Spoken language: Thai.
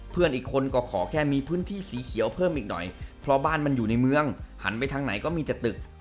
เพื่อนอีกคนก็ขอแค่มีพื้นที่สีเขียวเพิ่มอีกหน่อยเพราะบ้านมันอยู่ในเมืองหันไปทางไหนก็มีแต่ตึก